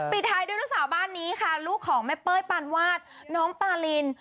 ปิดท้ายด้วยลูกสาวบ้านนี้ค่ะลูกของแม่เป้ยปานวาดน้องปาลิน